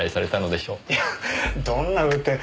いやどんなふうって。